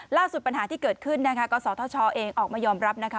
ล่าสุดปัญหาที่เกิดขึ้นนะคะกศธชเองออกมายอมรับนะคะ